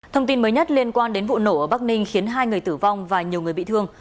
thông tin mới nhất liên quan đến vụ nổ ở bắc ninh khiến hai người tử vong và nhiều người bị thương